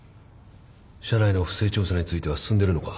社内の不正調査については進んでるのか？